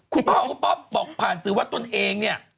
คุณป้องคุณป๊อบมองผ่านสิวะตนเองเนี่ย